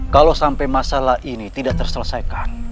kalau sampai masalah ini tidak terselesaikan